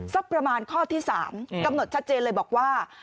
สักประมาณข้อที่๓กำหนดชัดเจนเลยบอกว่า